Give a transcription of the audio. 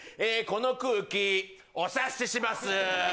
この空気お察しします